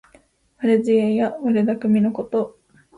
悪知恵や悪だくみのこと。